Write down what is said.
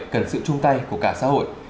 cần sự chung tay của cả xã hội